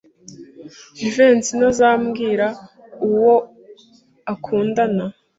Jivency ntazambwira uwo akundana.